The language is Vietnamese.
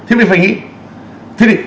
thì mình phải nghĩ